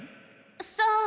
さあ。